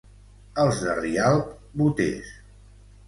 Els de Rialp, boters.